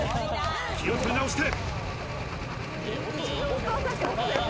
気を取り直して。